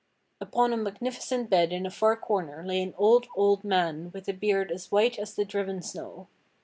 Upon a magnificent bed in a far corner lay an old, old man with a beard as white as the driven snow.